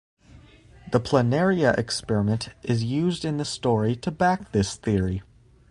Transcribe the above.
The planaria experiment is used in the story to back this theory.